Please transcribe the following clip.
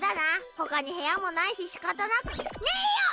ほかに部屋もないししかたなくねぇよ！